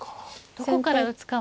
どこから打つかも。